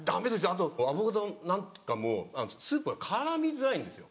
あとアボカドなんかもスープが絡みづらいんですよ